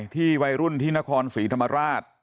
วัยรุ่นที่นครศรีธรรมราช